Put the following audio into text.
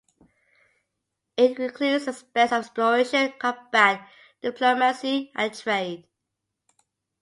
It includes aspects of exploration, combat, diplomacy and trade.